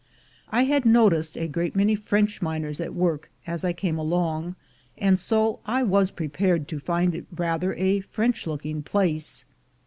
I had noticed a great many French miners at work at I came along, and so I was prepared to find it rather a French looking place.